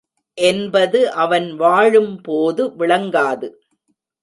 என்பது அவன் வாழும்போது விளங்காது.